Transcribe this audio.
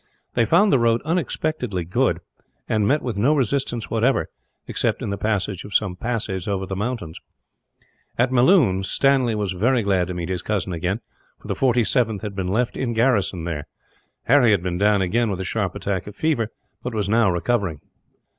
They found the road unexpectedly good, and met with no resistance whatever, except in the passage of some passes over the mountains. At Melloon, Stanley was very glad to meet his cousin again, for the 47th had been left in garrison there. Harry had been down again, with a sharp attack of fever, but was now recovering.